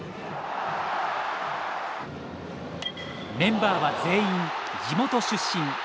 メンバーは全員地元出身。